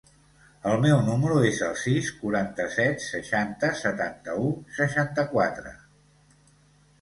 El meu número es el sis, quaranta-set, seixanta, setanta-u, seixanta-quatre.